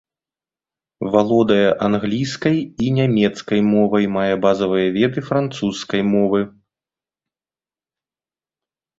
Валодае англійскай і нямецкі мовах, мае базавыя веды французскай мовы.